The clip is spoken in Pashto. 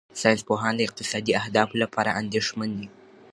ساینسپوهان د اقتصادي اهدافو لپاره اندېښمن دي.